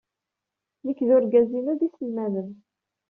Nekk ed urgaz-inu d iselmaden.